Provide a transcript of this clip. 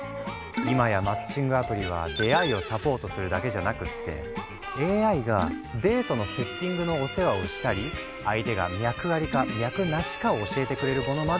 今やマッチングアプリは出会いをサポートするだけじゃなくってＡＩがデートのセッティングのお世話をしたり相手が脈アリか脈ナシかを教えてくれるものまで登場。